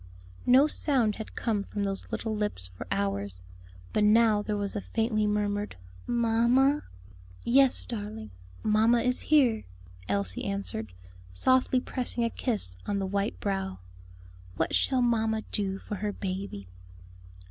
No sound had come from those little lips for hours; but now there was a faintly murmured "Mamma!" "Yes, darling, mamma is here," Elsie answered, softly pressing a kiss on the white brow; "what shall mamma do for her baby?"